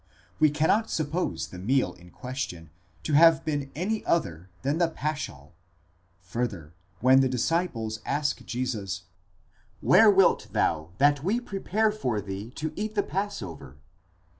we cannot suppose the meal in question to have been any other than the paschal ; further, when the disciples ask Jesus, Where wilt thou that we prepare for thee to eat the passover?